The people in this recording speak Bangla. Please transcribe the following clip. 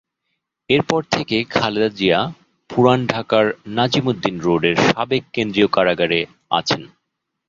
এরপর থেকে খালেদা জিয়া পুরান ঢাকার নাজিমুদ্দিন রোড়ের সাবেক কেন্দ্রীয় কারাগারে আছেন।